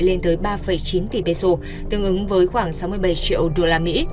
lên tới ba chín tỷ peso tương ứng với khoảng sáu mươi bảy triệu đô la mỹ